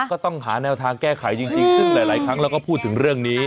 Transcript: ก็ต้องหาแนวทางแก้ไขจริงซึ่งหลายครั้งเราก็พูดถึงเรื่องนี้